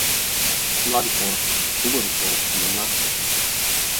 Млади хора, хубави хора, юнаци.